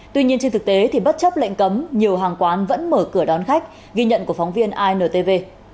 tuy nhiên trên thực tế thì bất chấp lệnh cấm nhiều hàng quán vẫn mở cửa đón khách ghi nhận của phóng viên intv